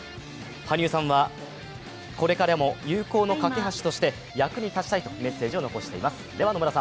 羽生さんは、これからも友好の架け橋として役に立ちたいとメッセージを残しています。